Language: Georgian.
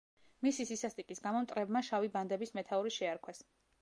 მისი სისასტიკის გამო, მტრებმა შავი ბანდების მეთაური შეარქვეს.